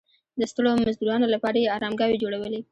د ستړو مزدورانو لپاره یې ارامګاوې جوړولې.